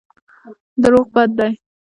دروغ بد دی.